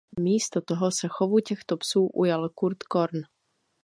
Místo toho se chovu těchto psů ujal Kurt Korn.